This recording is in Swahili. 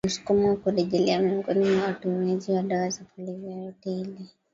msukumo wa kurejelea miongoni mwa watumiaji wa dawa ya kulevya yoyote ile